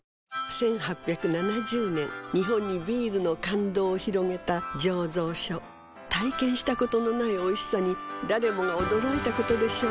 １８７０年日本にビールの感動を広げた醸造所体験したことのないおいしさに誰もが驚いたことでしょう